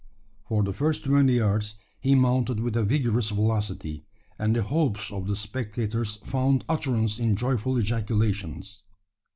For the first twenty yards he mounted with a vigorous velocity; and the hopes of the spectators found utterance in joyful ejaculations.